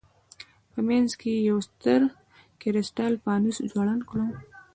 په منځ کې یې یو ستر کرسټال فانوس ځوړند کړ.